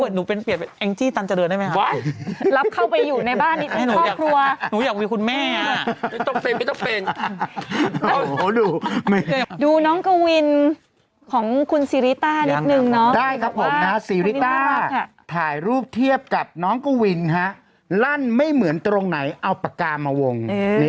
ได้ครับผมซีริต้าถ่ายรูปเทียบกับน้องกวินลั่นไม่เหมือนตรงไหนเอาปากกามาวง